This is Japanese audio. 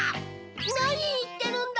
なにいってるんだ！